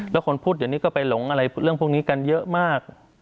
แล้วคนพูดอย่างนี้ก็ไปหลงเรื่องพวกนี้กันเยอะมาก